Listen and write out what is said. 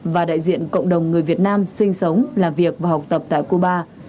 và đại diện cộng đồng người việt nam sinh sống làm việc và học tập tại cuba